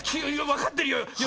わかってるよ。